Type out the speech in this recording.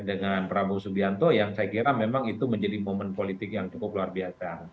dengan prabowo subianto yang saya kira memang itu menjadi momen politik yang cukup luar biasa